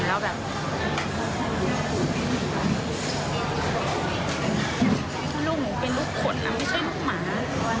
ลูกหนูเป็นลูกไม่ใช่ลูกหมา